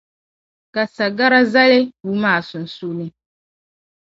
ka sa gara zali puu maa sunsuuni.